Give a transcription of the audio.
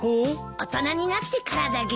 大人になってからだけど。